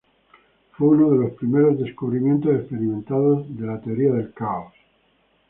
Fue uno de los primeros descubrimientos experimentales de la Teoría del caos.